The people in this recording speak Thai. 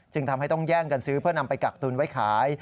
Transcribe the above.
ทำให้ต้องแย่งกันซื้อเพื่อนำไปกักตุนไว้ขาย